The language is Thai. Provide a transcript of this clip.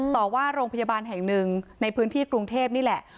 ต่อว่าโรงพยาบาลแห่งหนึ่งในพื้นที่กรุงเทพนี่แหละ